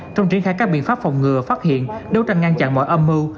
trong triển khai các biện pháp phòng ngừa phát hiện đấu tranh ngăn chặn mọi âm mưu